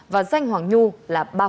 và danh hoàng nhu là ba